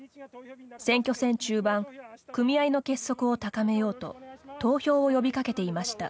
選挙戦中盤組合の結束を高めようと投票を呼びかけていました。